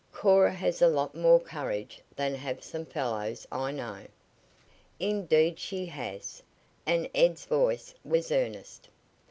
"Cora has a lot more courage than have some fellows I know." "Indeed she has," and Ed's voice was earnest.